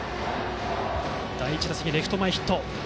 第１打席、レフト前ヒット。